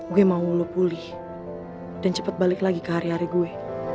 gue mau lo pulih dan cepat balik lagi ke hari hari gue